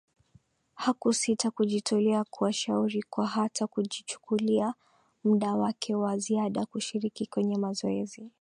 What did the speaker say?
Hakusita kujitolea kuwashauri kwa hata kujichukulia muda wake wa ziada kushiriki kwenye mazoezi